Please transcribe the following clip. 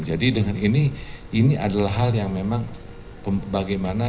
jadi dengan ini ini adalah hal yang memang bagaimana